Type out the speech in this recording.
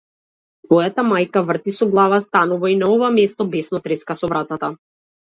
Твојата мајка врти со глава станува и на ова место бесно треска со вратата.